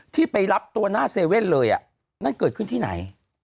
ที่ไปรับตัวหน้าเซเว่นเลยนั่นเกิดขึ้นที่ไหน